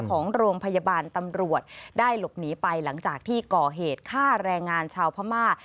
ของโรงพยาบาลตำรวจได้หลบหนีไปหลังจากที่ก่อเหตุฆ่าแรงงานชาวพม่า